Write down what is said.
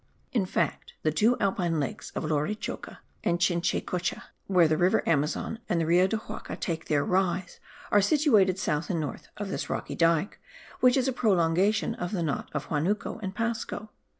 In fact, the two alpine lakes of Lauricocha and Chinchaycocha, where the river Amazon and the Rio de Jauja take their rise, are situated south and north of this rocky dyke, which is a prolongation of the knot of Huanuco and Pasco.